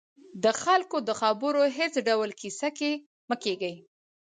د خلکو د خبرو هېڅ ډول کیسه کې مه کېږئ